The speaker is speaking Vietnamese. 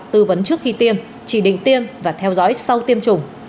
tư vấn trước khi tiêm chỉ định tiêm và theo dõi sau tiêm chủng